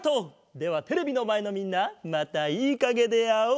ではテレビのまえのみんなまたいいかげであおう！